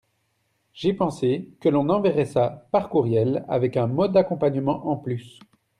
J'ai pensé que l'on enverrait ça par courriel avec un mot d'accompagnement en plus.